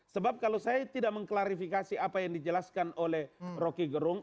sebab kalau saya tidak mengklarifikasi apa yang dijelaskan oleh rocky gerung